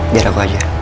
biar aku aja